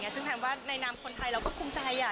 ซึ่งแทนว่าในนามคนไทยเราก็ภูมิใจ